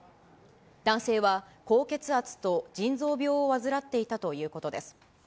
男性は高血圧と腎臓病を患っていたということです。